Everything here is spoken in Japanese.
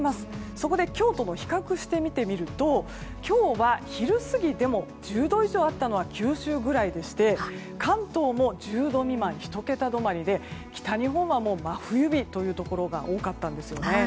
そこで今日と比較して見てみると今日は昼過ぎでも１０度以上あったのは九州ぐらいでして関東も１０度未満、１桁止まりで北日本はもう真冬日というところが多かったんですよね。